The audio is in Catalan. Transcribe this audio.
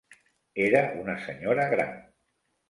Era una senyora gran.